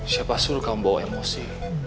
siapa suruh kamu bawa emosi